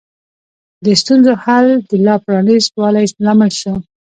د ستونزو حل د لا پرانیست والي لامل شو.